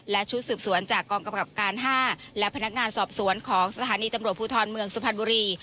และชุดสืบสวนจากกองกำกับการ๕และพนักงานสอบสวนของสถานีตำรวจภูทรเมืองสุพรรณบุรี